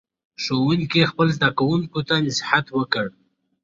ښوونکي خپلو زده کوونکو ته نصیحت وکړ.